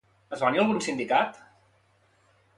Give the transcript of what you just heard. Es va unir a algun sindicat?